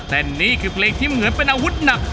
แต่นี่คือเพลงที่เหมือนเป็นอาวุธหนัก